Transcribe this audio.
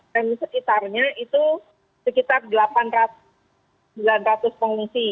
dan sekitarnya itu sekitar delapan ratus sembilan ratus pengungsi